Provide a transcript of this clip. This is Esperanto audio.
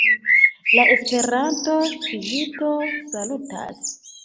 La Esperanta Civito salutas.